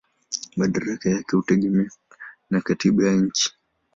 Madaraka yake hutegemea na katiba ya nchi.